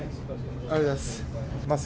ありがとうございます。